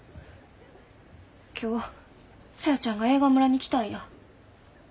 今日小夜ちゃんが映画村に来たんや。